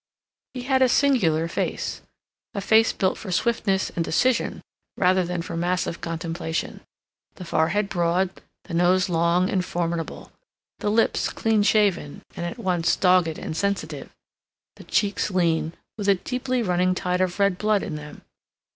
He had a singular face—a face built for swiftness and decision rather than for massive contemplation; the forehead broad, the nose long and formidable, the lips clean shaven and at once dogged and sensitive, the cheeks lean, with a deeply running tide of red blood in them.